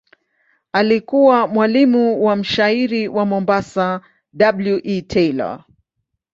Alikuwa mwalimu wa mshairi wa Mombasa W. E. Taylor.